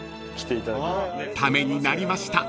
［ためになりました